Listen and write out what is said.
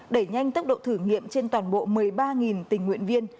đẩy nhanh tốc độ thử nghiệm trên toàn bộ một mươi ba tình nguyện viên